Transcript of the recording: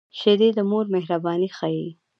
شیدې د مور مهرباني ښيي